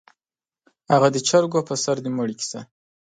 _هغه د چرګو پر سر د مړي کيسه؟